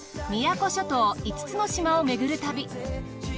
宮古諸島５つの島をめぐる旅。